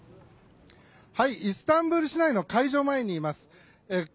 イスタンブール市内の開場前にいます。